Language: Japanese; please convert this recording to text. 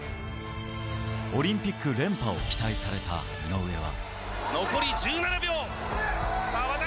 オリンピック連覇を期待された井上は。